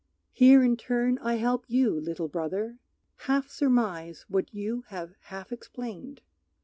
Here in turn I help you, little brother, Half surmise what you have half explained.